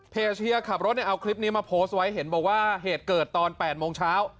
เชียร์ขับรถเนี่ยเอาคลิปนี้มาโพสต์ไว้เห็นบอกว่าเหตุเกิดตอน๘โมงเช้า